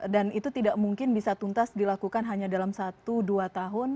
dan itu tidak mungkin bisa tuntas dilakukan hanya dalam satu dua tiga tahun